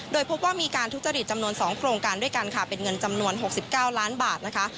โดยพบว่ามีการทุจริตจำนวน๒โครงการด้วยกันค่ะเป็นเงินจำนวน๖๙ล้านบาทนะคะ